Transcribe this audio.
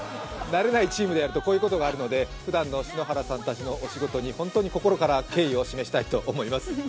慣れないチームでやるとこういうことがあるのでふだんの篠原さんたちのお仕事に本当に心から敬意を示したいと思います。